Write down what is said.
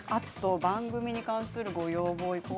番組に関する要望。